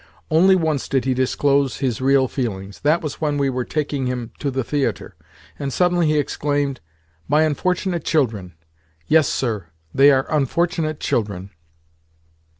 Only once did he disclose his real feelings. That was when we were taking him to the theatre, and suddenly he exclaimed: "My unfortunate children! Yes, sir, they are unfortunate children."